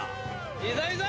いいぞ、いいぞ。